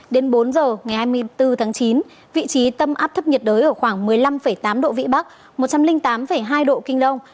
đến bốn giờ ngày hai mươi bốn tháng chín vị trí tâm áp thấp nhiệt đới ở khoảng một mươi năm tám độ vĩ bắc một trăm linh tám hai độ kinh đông